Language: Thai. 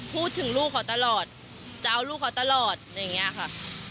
พูดถึงลูกเขาตลอดจะเอาลูกเขาตลอดอะไรอย่างนี้ค่ะ